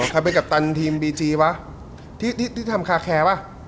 ใครเป็นกัปตันทีมบีจีวะที่ที่ทำคาแคร์ป่ะ